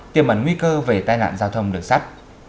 tiềm ẩn nguy cơ về tai nạn giao thông đường sắt